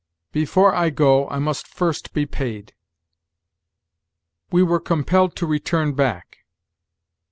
"Before I go, I must first be paid." "We were compelled to return back."